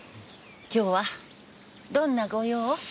今日はどんなご用？